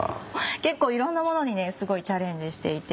結構いろんなものにすごいチャレンジしていて。